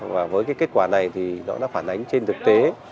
và với cái kết quả này thì nó đã phản ánh trên thực tế